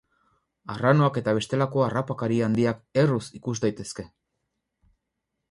Arranoak eta bestelako harrapakari handiak erruz ikus daitezke.